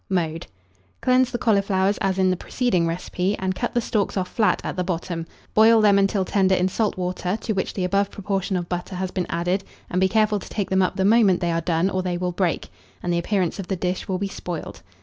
Mode. Cleanse the cauliflowers as in the preceding recipe, and cut the stalks off flat at the bottom; boil them until tender in salt and water, to which the above proportion of butter has been added, and be careful to take them up the moment they are done, or they will break, and the appearance of the dish will be spoiled.